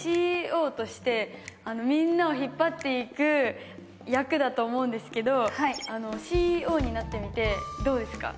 ＣＥＯとしてみんなを引っ張っていく役だと思うんですけどはいＣＥＯになってみてどうですか？